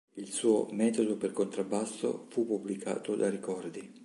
Il suo "Metodo per contrabbasso" fu pubblicato da Ricordi.